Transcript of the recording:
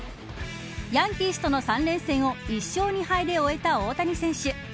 ヤンキースとの３連戦を１勝２敗で終えた大谷選手